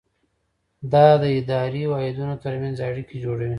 دا د اداري واحدونو ترمنځ اړیکې جوړوي.